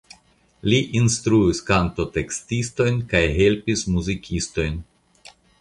Li instruis kantotekstistojn kaj helpis muzikistojn.